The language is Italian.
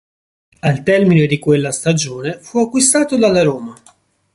Al termine di quella stagione fu acquistato dalla Roma.